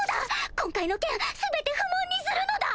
今回の件全て不問にするのだ！